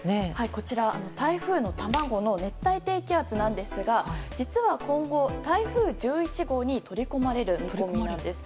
こちら、台風の卵の熱帯低気圧なんですが実は今後、台風１１号に取り込まれる見込みなんです。